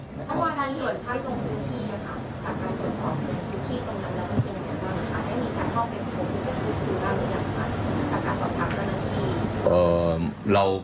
ถ้าท่านเห็นเขาอยู่ที่อยู่ที่ตรงนั้นแล้วมันก็อาจจะได้มีข้อเป็นของที่เขาอยู่ที่กล้ามหรืออย่างกันจากการสอบถามกันที่